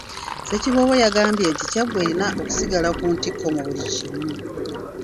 Ssekiboobo yagambye nti Kyaggwe erina okusigala ku ntikko mu buli kimu.